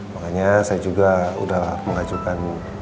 makanya saya juga sudah mengajukan